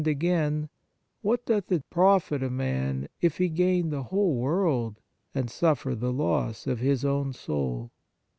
73 On Piety doth it profit a man, if he gain the whole world, and suffer the loss of his own soul